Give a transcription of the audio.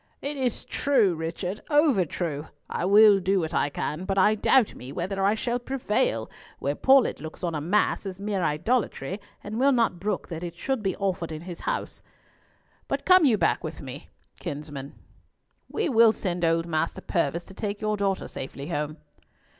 "It is true, Richard, over true. I will do what I can, but I doubt me whether I shall prevail, where Paulett looks on a Mass as mere idolatry, and will not brook that it should be offered in his house. But come you back with me, kinsman. We will send old Master Purvis to take your daughter safely home."